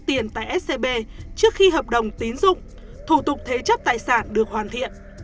các tài khoản ký khống này đều thực hiện rút tiền tại scb trước khi hợp đồng tín dụng thủ tục thế chấp tài sản được hoàn thiện